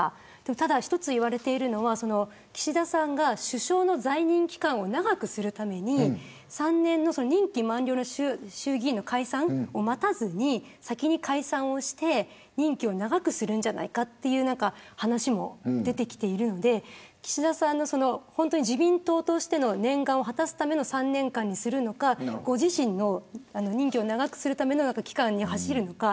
ただ一つ言われているのは岸田さんが首相の在任期間を長くするために３年の任期満了の衆議院の解散を待たずに先に解散をして任期を長くするんじゃないかという話も出てきているので岸田さんの自民党としての念願を果たすための３年間にするのかご自身の任期を長くするための期間に走るのか